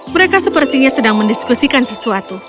mereka sepertinya sedang mendiskusikan sesuatu